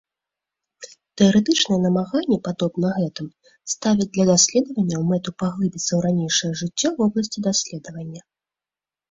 Тэарэтычныя намаганні, падобна гэтым, ставяць для даследаванняў мэту паглыбіцца ў ранейшае жыццё вобласці даследавання.